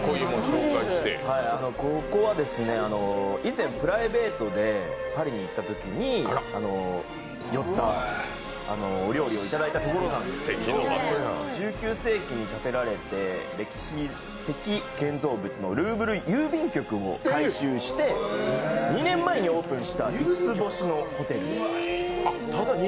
ここは以前プライベートでパリに行ったときに寄ってお料理をいただいたところなんですけど、１９世紀に建てられて、歴史的建造物のルーブル郵便局を改修して２年前にオープンした５つ星ホテル。